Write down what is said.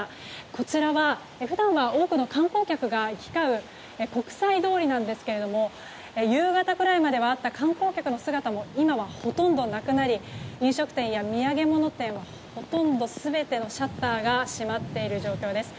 こちらは普段は多くの観光客が行き交う国際通りなんですが夕方くらいまではあった観光客の姿も今はほとんどなくなり飲食店や土産物店はほとんど全てのシャッターが閉まっている状況です。